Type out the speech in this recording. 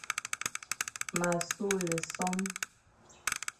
M a sughle sôm.